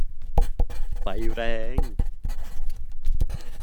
ไฟแรง !